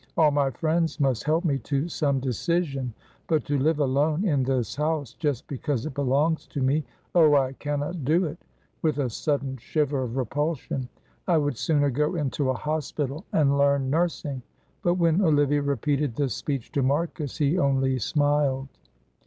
All my friends must help me to some decision, but to live alone in this house just because it belongs to me; oh, I cannot do it," with a sudden shiver of repulsion. "I would sooner go into a hospital and learn nursing." But when Olivia repeated this speech to Marcus he only smiled.